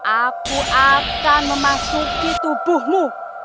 aku akan memasuki tubuhmu